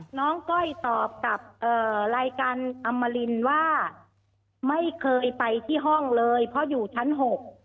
ก็แบบน้องก้อยตอบกับรายการอามารินว่าไม่เคยไปที่ห้องเลยเพราะอยู่ชั้นหก